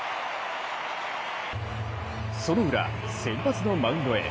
そのウラ、先発のマウンドへ。